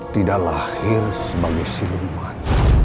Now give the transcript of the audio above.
tidak lahir sebagai siluman